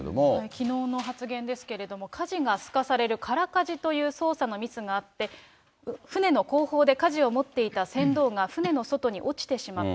きのうの発言ですけれども、かじがすかされる、空かじという操作のミスがあって、船の後方でかじを持っていた船頭が船の外に落ちてしまった。